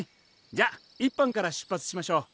じゃあ１班から出発しましょう。